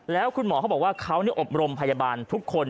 แล้วคุณหมอเขาบอกว่าเขาอบรมพยาบาลทุกคน